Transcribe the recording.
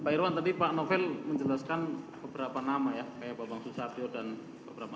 pak irwan tadi pak novel menjelaskan beberapa nama ya kayak bapak susatyo dan beberapa